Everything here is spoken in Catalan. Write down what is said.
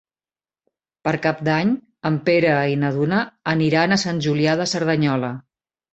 Per Cap d'Any en Pere i na Duna aniran a Sant Julià de Cerdanyola.